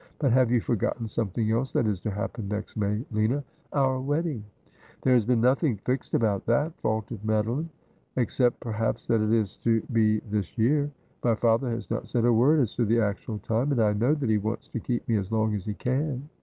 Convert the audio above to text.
But have you forgotten something else that is to happen next May, Lina — our wedding ?'' There has been nothing fixed about that,' faltered Madoline, ' except, perhaps, that it is to be this year. My father has not R 258 Asphodel. said a word as to the actual time, and I know that he wants to keep me as long as he can.'